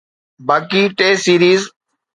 باقي T series